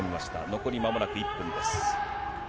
残りまもなく１分です。